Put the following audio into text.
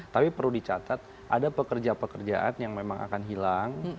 tapi perlu dicatat ada pekerja pekerjaan yang memang akan hilang